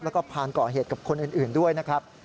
แล้วก็พานก่อเหตุกับคนอื่นด้วยนะครับ